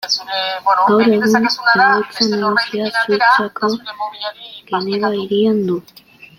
Gaur egun egoitza nagusia Suitzako Geneva hirian du.